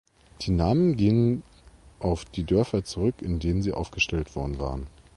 Die Namen gehen auf die Dörfer zurück, in denen sie aufgestellt worden waren.